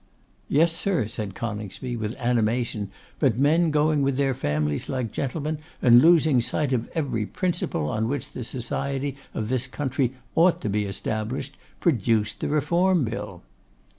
'Yes, sir,' said Coningsby, with animation, 'but men going with their families like gentlemen, and losing sight of every principle on which the society of this country ought to be established, produced the Reform Bill.